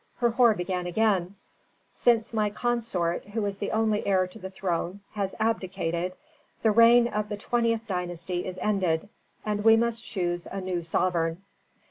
Herhor began again, "Since my consort, who is the only heir to the throne, has abdicated, the reign of the twentieth dynasty is ended; we must choose a new sovereign.